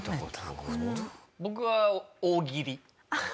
僕は大喜利。